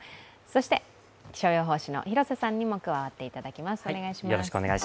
そして気象予報士の広瀬さんにも加わっていただきます。